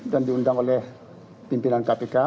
dan diundang oleh pimpinan kpk